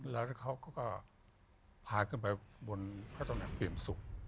แล้วเขาก็ก็พาขึ้นไปบนพระตรวจแห่งปริมศุกร์